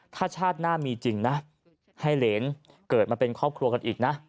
ถ้าชาติหน้ามีจริงนะให้เหรนเกิดมาเป็นครอบครัวกันอีกนะ